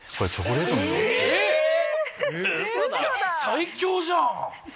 最強じゃん！